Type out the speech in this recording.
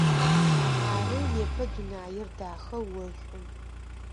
Ары, непэ дунаир дахэ, ошӏу.